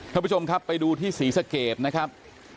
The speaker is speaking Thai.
ท่านผู้ชมครับไปดูที่ศรีสเกตนะครับ